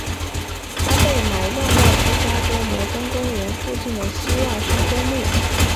他被埋葬在芝加哥摩根公园附近的希望山公墓。